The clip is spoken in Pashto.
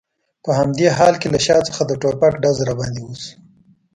په همدې حال کې له شا څخه د ټوپک ډز را باندې وشو.